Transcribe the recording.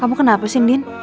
kamu kenapa sih din